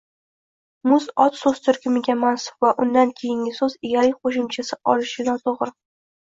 Muz ot soʻz turkumiga mansub va undan keyingi soʻz egalik qoʻshimchasi olishi toʻgʻri